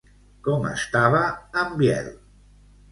Com estava en Biel?